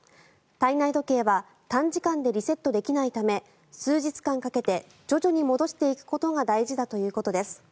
体内時計は短時間でリセットできないため数日間かけて徐々に戻していくことが大事だということです。